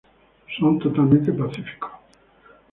Son totalmente pacíficos.